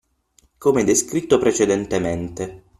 come descritto precedentemente.